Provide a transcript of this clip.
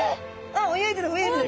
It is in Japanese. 泳いでる泳いでる。